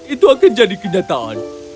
itu akan menjadi kenyataan